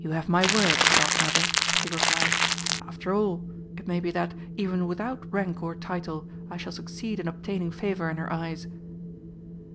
"You have my word, Godmother," he replied. "After all, it may be that, even without rank or title, I shall succeed in obtaining favour in her eyes."